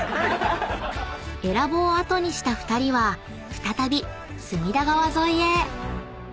［ｅｌａｂを後にした２人は再び隅田川沿いへ］